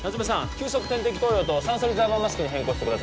急速点滴投与と酸素リザーバーマスクに変更してください